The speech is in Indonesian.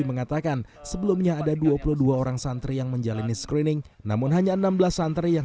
mengatakan sebelumnya ada dua puluh dua orang santri yang menjalani screening namun hanya enam belas santri yang